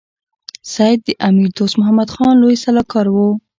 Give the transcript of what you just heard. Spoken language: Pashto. سید د امیر دوست محمد خان لوی سلاکار وو.